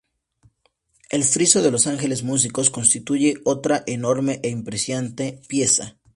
El friso de los ángeles músicos constituye otra enorme e impresionante pieza.